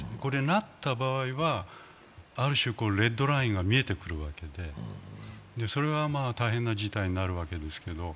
なった場合は、ある種、レッドラインが見えて来るわけでそれは大変な事態になるわけですけれども、